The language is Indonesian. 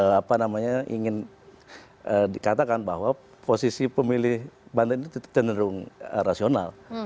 apa namanya ingin dikatakan bahwa posisi pemilih banten itu cenderung rasional